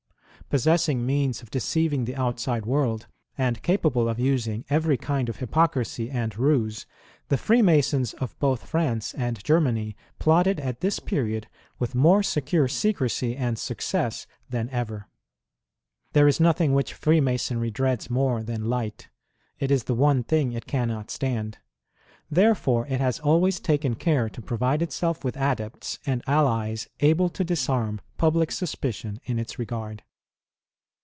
Possessing means of 54 WAR OF ANTICHRIST WITH THE CHURCH. deceiving the outside world, and capable of using every kind of hypocrisy and ruse, the Freemasons of both France and Germany plotted at this period with more secure secresy and success than ever. There is nothing which Freemasonry dreads more than light. It is the one thing it cannot stand. Therefore, it has always taken care to provide itself with adepts and allies able to disarm public suspicion in its regard.